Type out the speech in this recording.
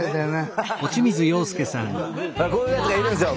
こういうやつがいるんすよ。